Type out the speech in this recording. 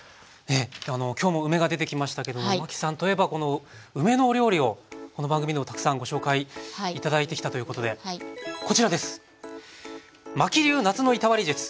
今日も梅が出てきましたけどマキさんといえばこの梅のお料理をこの番組でもたくさんご紹介頂いてきたということでこちらです！